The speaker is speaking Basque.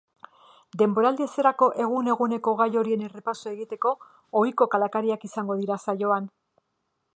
Denboraldi hasierako egun-eguneko gai horien errepasoa egiteko ohiko kalakariak izango dira saioan.